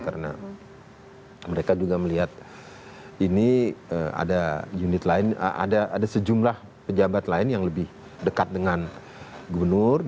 karena mereka juga melihat ini ada unit lain ada sejumlah pejabat lain yang lebih dekat dengan gubernur anies